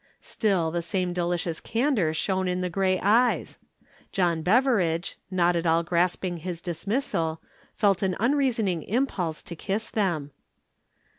Still the same delicious candor shone in the gray eyes. John Beveridge, not at all grasping his dismissal, felt an unreasoning impulse to kiss them.